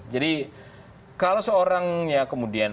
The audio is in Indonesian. jadi kalau seorang ya kemudian